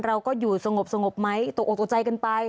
เราก็อยู่สงบไหมตกอกตัวใจกันไป